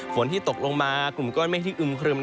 ฝนที่ตกลงมากลุ่มก้นไม่ได้ที่อึงคลึม